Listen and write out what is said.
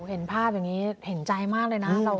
เห็นภาพอย่างนี้เห็นใจมากเลยนะ